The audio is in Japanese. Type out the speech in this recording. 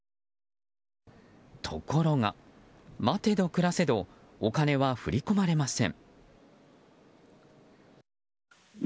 ところが、待てど暮らせどお金は振り込まれません。